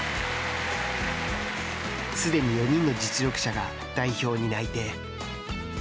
すでに４人の実力者が代表に内定。